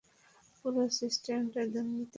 পুরো সিস্টেমটাই দূর্নীতিবাজদের খপ্পরে!